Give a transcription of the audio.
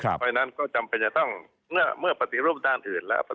เพราะฉะนั้นก็จำเป็นจะต้องเมื่อปฏิรูปด้านอื่นแล้ว